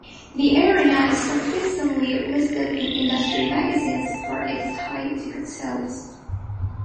The arena is consistently listed in industry magazines for its high ticket sales.